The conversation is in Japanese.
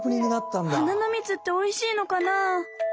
はなのみつっておいしいのかな？